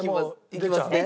いきますね。